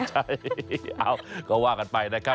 ใช่เอาก็ว่ากันไปนะครับ